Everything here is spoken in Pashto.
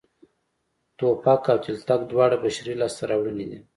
ټوپک او تلتک دواړه بشري لاسته راوړنې دي